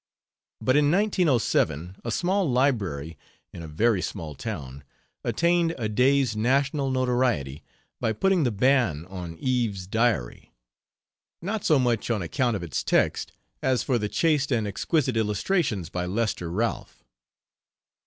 But in 1907 a small library, in a very small town, attained a day's national notoriety by putting the ban on Eve's Diary, not so much on account of its text as for the chaste and exquisite illustrations by Lester Ralph.